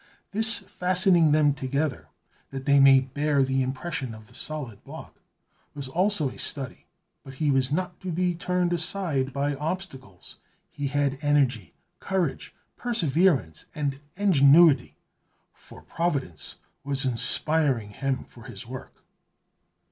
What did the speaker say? This fastening them together, that they might bear the impression of the solid block, was also a study; but he was not to be turned aside by obstacles. He had energy, courage, perseverance, and ingenuity; for Providence was inspiring him for his work.